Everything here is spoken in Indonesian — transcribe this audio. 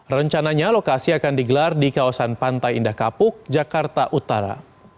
rencananya lokasi akan digelar di kawasan pantai indah kapuk jakarta utara